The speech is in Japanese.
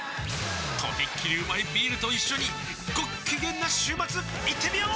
とびっきりうまいビールと一緒にごっきげんな週末いってみよー！